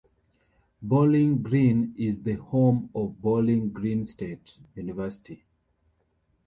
Bowling Green is the home of Bowling Green State University.